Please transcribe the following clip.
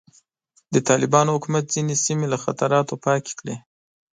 د طالبانو حکومت ځینې سیمې له خطراتو پاکې کړې.